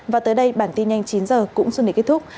và tới đây bản tin nhanh chín h cũng xuân để kết thúc